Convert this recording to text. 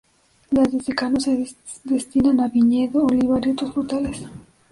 Las de secano se destinan a viñedo, olivar y otros frutales.